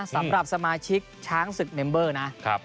สำหรับสมาชิกช้างศึกเมมเบอร์นะ